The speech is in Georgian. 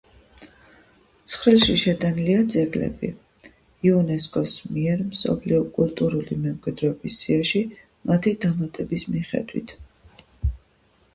ცხრილში შეტანილია ძეგლები, იუნესკოს მიერ მსოფლიო კულტურული მემკვიდრეობის სიაში მათი დამატების მიხედვით.